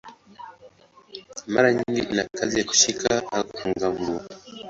Mara nyingi ina kazi ya kushika au kufunga nguo.